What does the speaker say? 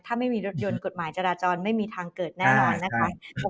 ถ้าไม่มีรถยนต์กฎหมายจราจรไม่มีทางเกิดแน่นอนนะคะ